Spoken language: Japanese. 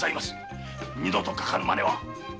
二度とかかるマネは。